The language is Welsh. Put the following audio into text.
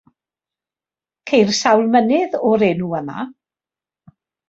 Ceir sawl mynydd o'r enw yma.